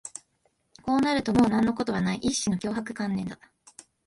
こうなるともう何のことはない、一種の脅迫観念だ